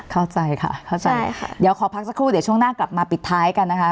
เข้าใจค่ะเข้าใจใช่ค่ะเดี๋ยวขอพักสักครู่เดี๋ยวช่วงหน้ากลับมาปิดท้ายกันนะคะ